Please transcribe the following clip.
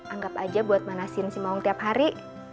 anggap aja buat manasin si maung tiap hari